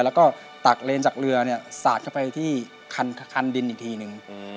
แล้วก็ตักเลนจากเรือสาดเข้าไปที่คันดินอีกทีนึง